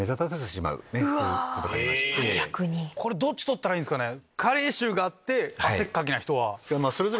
これどっち取ったらいいんすかね。